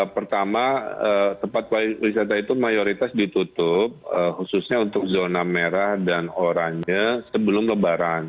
pertama tempat wisata itu mayoritas ditutup khususnya untuk zona merah dan oranye sebelum lebaran